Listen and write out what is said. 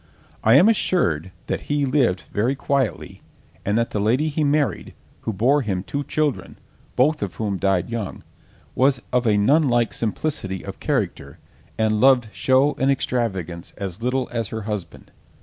I am assured that he lived very quietly, and that the lady he married, who bore him two children, both of whom died young, was of a nunlike simplicity of character and loved show and extravagance as little as her husband.